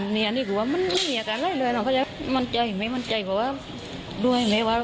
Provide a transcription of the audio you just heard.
ไม่มีใจ